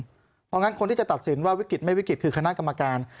เพราะฉะนั้นคนที่จะตัดสินว่าวิกฤตไม่วิกฤตคือคณะกรรมการ